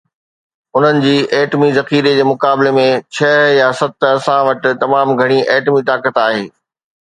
انهن جي ايٽمي ذخيري جي مقابلي ۾ ڇهه يا ست، اسان وٽ تمام گهڻي ايٽمي طاقت آهي.